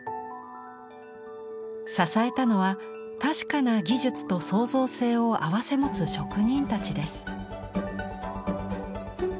支えたのは確かな技術と創造性を併せ持つ職人たちです。